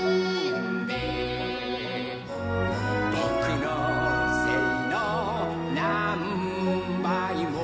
「ぼくのせいのなんばいも」